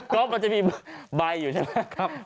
ก็มันจะมีใบอยู่ใช่ไหมครับ